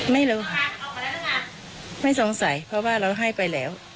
ไม่รู้ค่ะไม่สงสัยเพราะว่าเราให้ไปแล้ว